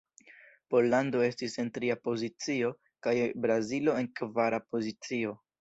Pollando estis en tria pozicio, kaj Brazilo en kvara pozicio.